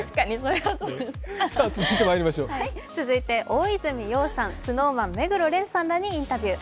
大泉洋さんＳｎｏｗＭａｎ目黒蓮さんらにインタビュー。